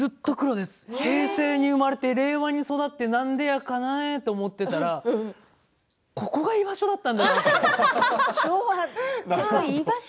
平成に生まれて令和に育ってなんでかな？と思ったら昭和が居場所だったんだなって。